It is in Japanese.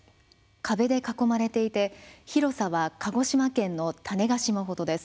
壁で囲まれていて広さは鹿児島県の種子島ほどです。